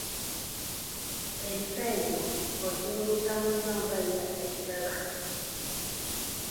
Ensi eno oginyumiza munno nga ye atagiraba.